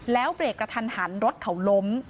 แล้วเบรกกระทันหันรถเขาล้ม